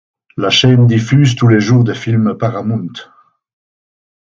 La chaîne diffuse tous les jours des films Paramount.